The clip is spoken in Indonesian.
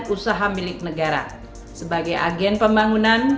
pemerintah harus memiliki hak unit negara sebagai agen pembangunan